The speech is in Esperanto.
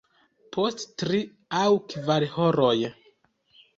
Post tri aŭ kvar horoj.